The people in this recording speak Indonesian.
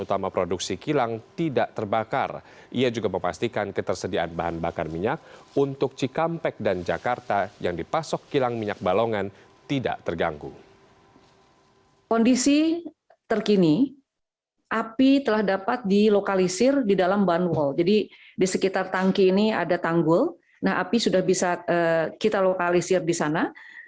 api telah dapat dilokalisir di dalam ban wall jadi di sekitar tangki ini ada tanggul api sudah bisa kita lokalisir di sana